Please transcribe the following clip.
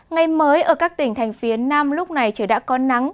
ngày mới ở các tỉnh thành phía nam lúc này trời đã có nắng